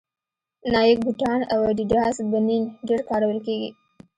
نایک بوټان او اډیډاس بنېن ډېر کارول کېږي